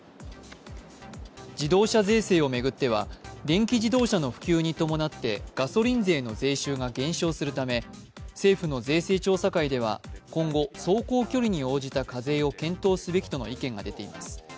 自動車税制を巡っては電気自動車の普及に伴ってガソリン税の税収が減少するため、政府の税制調査会では今後、走行距離に応じた課税を検討すべきとの意見が出ています。